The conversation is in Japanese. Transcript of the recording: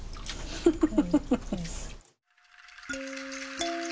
フフフフ。